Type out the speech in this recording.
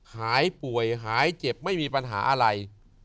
หายป่วยหายเจ็บไม่มีปัญหาอะไร